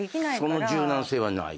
その柔軟性はない。